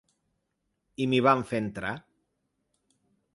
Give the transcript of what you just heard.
I m’hi van fer entrar.